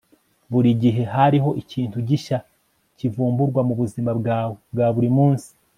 burigihe hariho ikintu gishya kivumburwa mubuzima bwawe bwa buri munsi